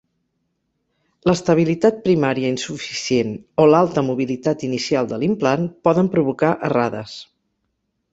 L'estabilitat primària insuficient o l'alta mobilitat inicial de l'implant, poden provocar errades.